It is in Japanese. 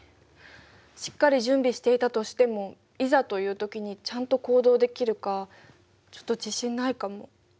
しっかり準備していたとしてもいざという時にちゃんと行動できるかちょっと自信ないかも。